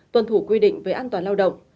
tuần thủ quy định về an toàn lao động